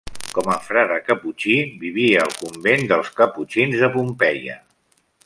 Com a frare caputxí, vivia al convent dels caputxins de Pompeia.